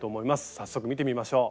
早速見てみましょう。